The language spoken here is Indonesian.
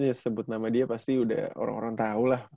disebut nama dia pasti udah orang orang tahu lah